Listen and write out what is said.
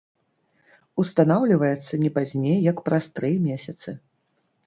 Устанаўліваецца не пазней як праз тры месяцы.